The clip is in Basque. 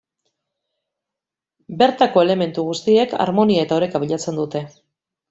Bertako elementu guztiek, harmonia eta oreka bilatzen dute.